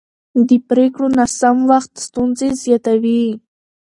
د پرېکړو ناسم وخت ستونزې زیاتوي